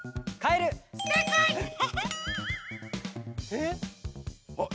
えっ。